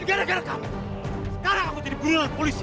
dan gara gara kamu sekarang aku jadi bunuh oleh polisi